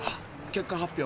結果発表。